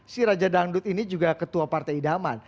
si raja dangdut ini juga ketua partai idaman